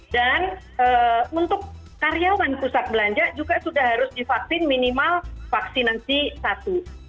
dan untuk karyawan pusat belanja juga sudah harus divaksin minimal vaksinasi satu